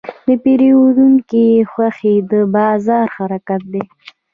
د پیرودونکي خوښي د بازار حرکت دی.